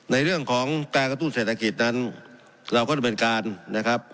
ในเรื่องของการกระตุ้นเศรษฐกิจนั้นเราก็ดำเนินการนะครับ